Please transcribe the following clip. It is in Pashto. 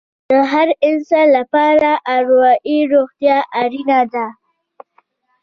د هر انسان لپاره اروايي روغتیا اړینه ده.